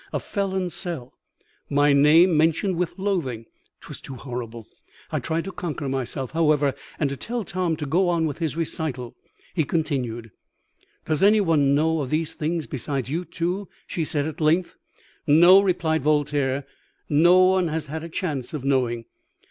A felon's cell! My name mentioned with loathing! 'Twas too horrible. I tried to conquer myself, however, and to tell Tom to go on with his recital. He continued "'Does any one know of these things besides you two?' she said at length. "'No,' replied Voltaire. 'No one has had a chance of knowing.'"